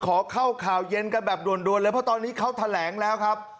ขอเข้าข่าวเย็นกันแบบด่วนเลยเพราะตอนนี้เขาแถลงแล้วครับ